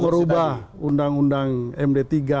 merubah undang undang md tiga